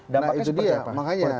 nah itu dia makanya